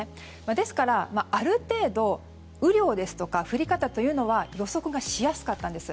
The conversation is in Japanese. ですからある程度雨量や降り方というのは予測がしやすかったんです。